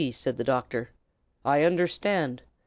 said the doctor. "I understand.